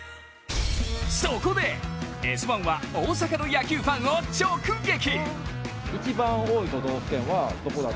そこで「Ｓ☆１」は大阪の野球ファンを直撃！